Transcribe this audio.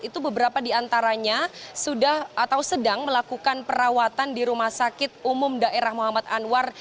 itu beberapa diantaranya sudah atau sedang melakukan perawatan di rumah sakit umum daerah muhammad anwar